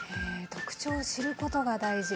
特徴を知ることが大事。